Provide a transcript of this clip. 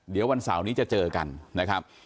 เดี๋ยววันเสาร์นี้จะเจอกันนะครับ